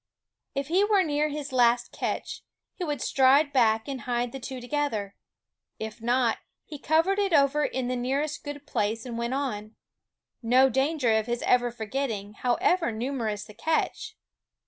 If he were near his last catch, he would stride back and hide the two together ; if not, he covered it over in the nearest good place and went on. No danger of his ever forget ting, however numerous the catch